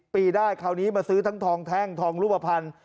ปีได้คราวนี้มาซื้อทั้งทองแท่งทองรูปภัณฑ์